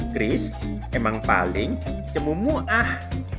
kris emang paling cemumu ah